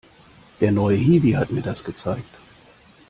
Der neue Hiwi hat mir das gezeigt.